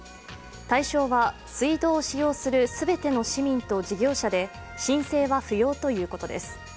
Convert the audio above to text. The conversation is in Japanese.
対象は水道を使用する全ての市民と事業者で申請は不要ということです。